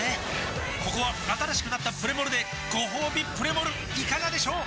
ここは新しくなったプレモルでごほうびプレモルいかがでしょう？